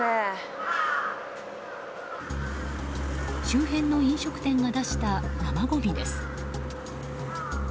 周辺の飲食店が出した生ごみです。